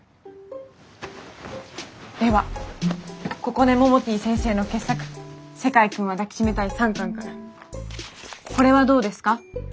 ではここねモモティ先生の傑作「世界くんは抱きしめたい」三巻からこれはどうですか？